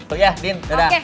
tuh ya din dadah